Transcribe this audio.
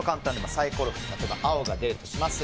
サイコロを振って青が出たとします。